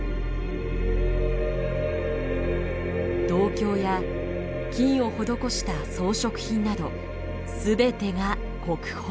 銅鏡や金を施した装飾品など全てが国宝。